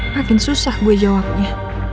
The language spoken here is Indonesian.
makin susah gue jawabnya